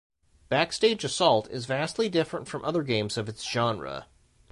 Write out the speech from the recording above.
"Backstage Assault" is vastly different from other games of its genre.